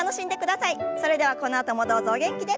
それではこのあともどうぞお元気で。